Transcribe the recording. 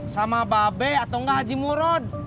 sama babe atau nggak haji murud